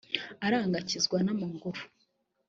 aranga akizwa n’amaguru